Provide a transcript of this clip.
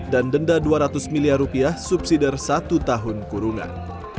dan denda dua ratus miliar rupiah subsidi satu tahun kurungan